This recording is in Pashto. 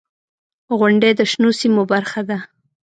• غونډۍ د شنو سیمو برخه ده.